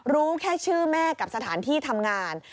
รู้แค่ชื่อแม่กับสถานที่ทำงาน